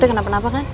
oh itu kenapa napa kan